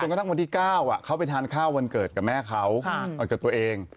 กระทั่งวันที่๙เขาไปทานข้าววันเกิดกับแม่เขากับตัวเอง